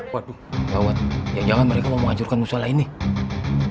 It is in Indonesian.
waduh gawat ya jangan mereka mau ngajurkan musuh lain nih